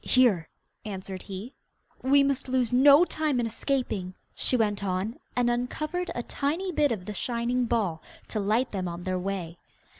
'Here,' answered he. 'We must lose no time in escaping,' she went on, and uncovered a tiny bit of the shining ball, to light them on their way.